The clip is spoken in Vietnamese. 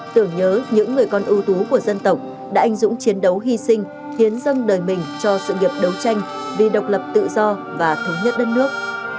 tưởng nhớ những người con ưu tú của dân tộc đã anh dũng chiến đấu hy sinh hiến dâng đời mình cho sự nghiệp đấu tranh vì độc lập tự do và thống nhất đất nước